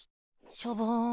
ショボン。